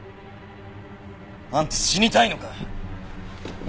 あんた死にたいのか？